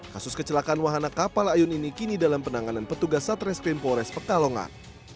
kasus kecelakaan wahana kapal ayun ini kini dalam penanganan petugas satreskrim polres pekalongan